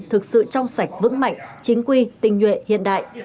thực sự trong sạch vững mạnh chính quy tình nhuệ hiện đại